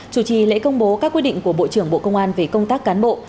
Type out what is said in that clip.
chủ trì lễ công bố các quyết định của bộ trưởng bộ công an về công tác cán bộ